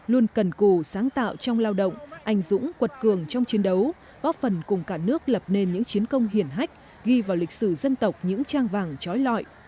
luôn cần cù sáng tạo trong lao động anh dũng quật cường trong chiến đấu góp phần cùng cả nước lập nên những chiến công hiển hách ghi vào lịch sử dân tộc những trang vàng trói lọi